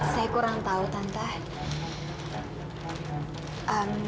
saya kurang tahu tante